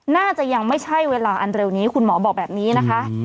น่าจะยังไม่ใช่เวลาอันเร็วนี้คุณหมอบอกแบบนี้นะคะ